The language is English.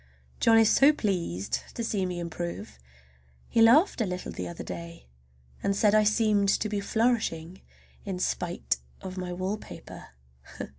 John is so pleased to see me improve! He laughed a little the other day, and said I seemed to be flourishing in spite of my wallpaper.